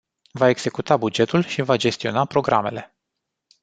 Va executa bugetul și va gestiona programele.